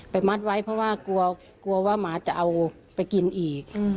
มัดไว้เพราะว่ากลัวกลัวว่าหมาจะเอาไปกินอีก